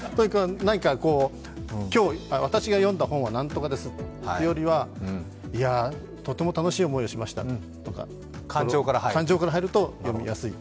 今日、私が読んだ本は○○ですよりは「いや、とても楽しい思いをしました」と感情から入ると読みやすい。